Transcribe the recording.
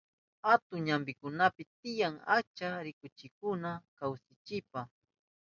Atun ñampikunapi tiyan achka rikuchinakuna kasunanchipa.